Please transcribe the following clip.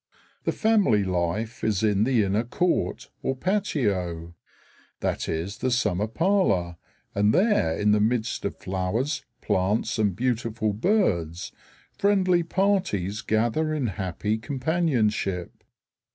The family life is in the inner court or patio. That is the summer parlor, and there in the midst of flowers, plants, and beautiful birds friendly parties gather in happy companionship.